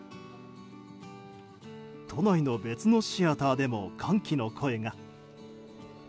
都内の別のシアターでも歓喜の声が。